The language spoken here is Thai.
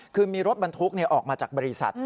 คือมีรถบรรทุกออกมาจากบริษัท